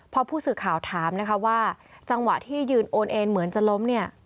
พอผู้สื่อข่าวถามนะคะว่าจังหวะที่ยืนโอนเอนเหมือนจะล้มเนี่ย